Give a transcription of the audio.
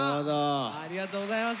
ありがとうございます。